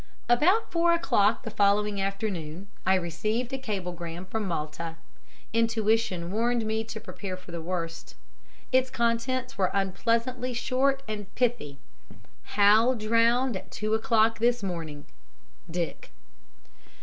"About four o'clock the following afternoon I received a cablegram from Malta. Intuition warned me to prepare for the worst. Its contents were unpleasantly short and pithy 'Hal drowned at two o'clock this morning. Dick.'